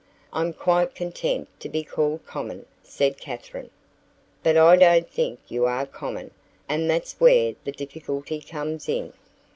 "I'm quite content to be called common," said Katherine. "But I don't think you are common, and that's where the difficulty comes in."